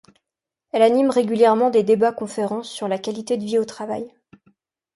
Elle anime régulièrement des débats-conférences sur la qualité de vie au travail.